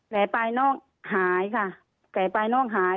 ไหลปลายน้องหายค่ะแผลปลายน้องหาย